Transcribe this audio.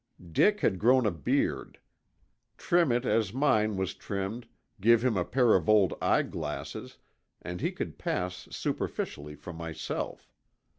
"Dick had grown a beard. Trim it as mine was trimmed, give him a pair of gold eyeglasses, and he could pass superficially for myself.